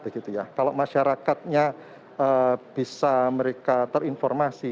kalau masyarakatnya bisa mereka terinformasi